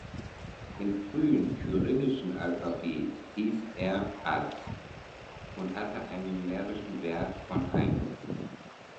Im frühen kyrillischen Alphabet hieß er "Az" und hatte einen numerischen Wert von eins.